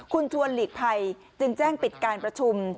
คุณชวนหลีกภัยจึงแจ้งปิดการประชุม